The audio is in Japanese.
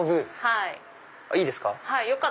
いいですか？